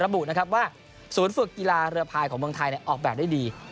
ระบุนะครับว่าศูนย์ฝึกกีฬาเรือพายของเมืองไทยออกแบบได้ดี